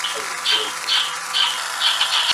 Es un museo de lo Geoparque Paleorrota.